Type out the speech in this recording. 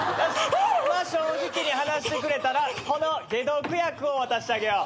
今正直に話してくれたらこの解毒薬を渡してあげよう。